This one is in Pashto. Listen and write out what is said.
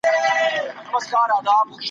روژه د بدلون فرصت برابروي.